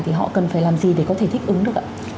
thì họ cần phải làm gì để có thể thích ứng được ạ